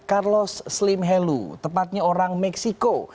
carlos slim helu tepatnya orang meksiko